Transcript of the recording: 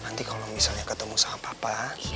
nanti kalau misalnya ketemu sama papa